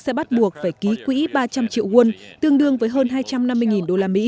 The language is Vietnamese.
sẽ bắt buộc phải ký quỹ ba trăm linh triệu won tương đương với hơn hai trăm năm mươi usd